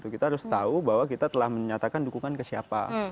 kita harus tahu bahwa kita telah menyatakan dukungan ke siapa